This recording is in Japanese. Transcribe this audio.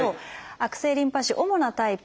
悪性リンパ腫主なタイプ。